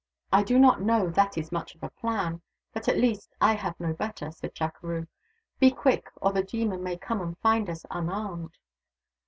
"I do not know that it is much of a plan, but at least I have no better," said Chukeroo. " Be quick, or the demon may come and fmd us un armed."